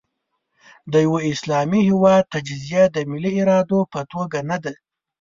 د یوه اسلامي هېواد تجزیه د ملي ارادې په توګه نه ده.